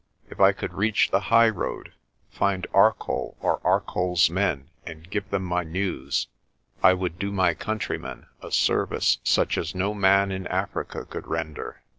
If I could reach the highroad, find Arcoll or Arcoll's men and give them my news, I would do my countrymen a service such as no man in Africa could render.